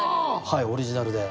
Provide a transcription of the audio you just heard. はいオリジナルで。